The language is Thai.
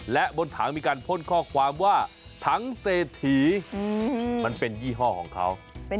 และบนถังมีการพ่นข้อความว่าถังเศรษฐีมันเป็นยี่ห้อของเขา